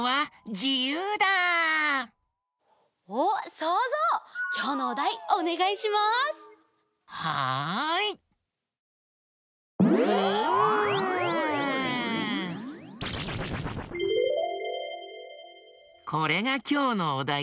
これがきょうのおだいだよ。